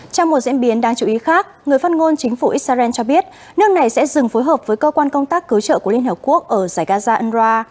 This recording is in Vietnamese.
trong một diễn biến đáng chú ý khác người phát ngôn chính phủ israel cho biết nước này sẽ dừng phối hợp với cơ quan công tác cứu trợ của liên hợp quốc ở giải gaza unrwa